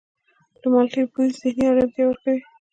د مالټې بوی ذهني آرامتیا ورکوي.